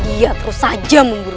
dia terus saja memburu